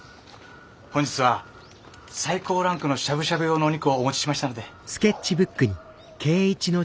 本日は最高ランクのしゃぶしゃぶ用のお肉をお持ちしましたので。